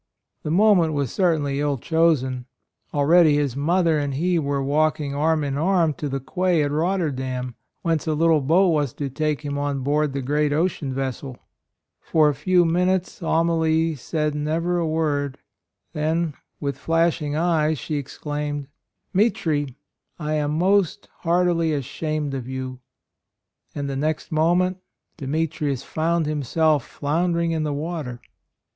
The moment was 48 A ROYAL SON certainly ill chosen: already his mother and he were walking arm in arm to the quay at Rotterdam, whence a little boat was to take him on board the great ocean vessel. For a few minutes Amalie said never a word; then, with flashing eyes, she exclaimed, " Mitri, I am most heartily ashamed of you !" and the next moment Demetrius found himself floundering in the water.